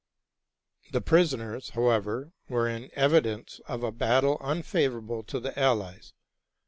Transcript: The prisoners, however, were an evidence of a battle un favorable to the allies.